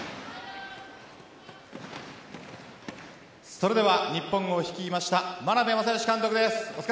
それでは、日本を率いました眞鍋政義監督です。